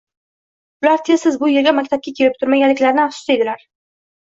Ular tez-tez bu erga maktabga kelib turmaganliklaridan afsusda edilar